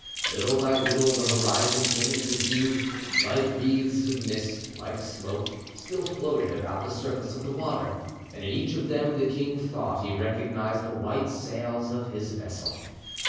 Little by little the horizon came into view; light wreaths of mist, like smoke, still floated about the surface of the water, and in each of them the king thought he recognised the white sails of his vessel.